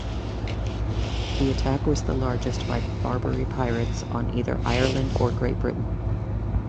The attack was the largest by Barbary pirates on either Ireland or Great Britain.